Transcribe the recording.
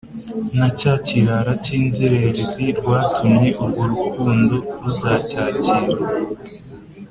Na cya kirara cy’inzererezi rwatumye urwo rukundo ruzacyakira